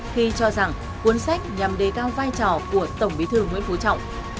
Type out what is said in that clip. khi cho rằng cuốn sách nhằm đề cao vai trò của tổng bí thư nguyễn phú trọng